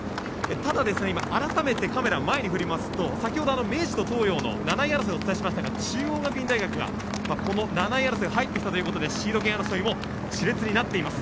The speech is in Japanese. ただ、改めてカメラを前に振りますと先ほど明治と東洋の７位争いをお伝えしましたが中央学院大学が７位争いに入ってきたということでシード権争いが熾烈になっています。